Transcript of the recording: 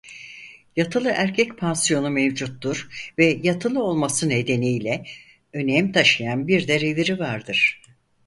Yatılı erkek pansiyonu mevcuttur ve yatılı olması nedeniyle önem taşıyan bir de reviri vardır.